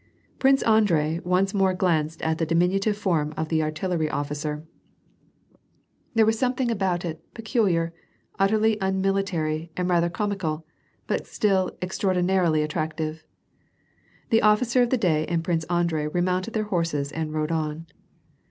Prince Andrei once more glanced at the diminutive form of the artillery officer. There was something about it peculiar, utterly unmilitary and rather comical, but still extraordinarily attractive. The officer of the day and Prince Andrei remounted their horses and rode on.